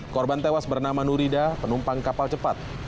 korban tewas bernama nurida penumpang kapal cepat